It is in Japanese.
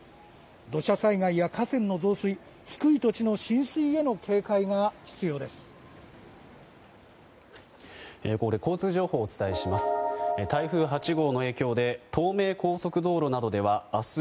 土砂災害や河川の増水低い土地の浸水への警戒が必要です。